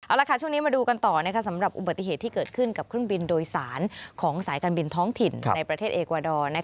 เอาละค่ะช่วงนี้มาดูกันต่อสำหรับอุบัติเหตุที่เกิดขึ้นกับเครื่องบินโดยสารของสายการบินท้องถิ่นในประเทศเอกวาดอร์